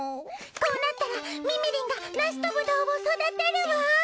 こうなったらみみりんが梨とブドウを育てるわ！